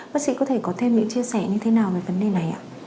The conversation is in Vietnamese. bác sĩ có thể có thêm những chia sẻ như thế nào về vấn đề này ạ